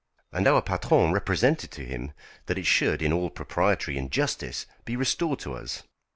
And our patron represented to him that it should in all propriety and justice be restored to us.